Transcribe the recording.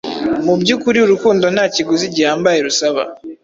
mubyukuri urukundo nta kiguzi gihambaye rusaba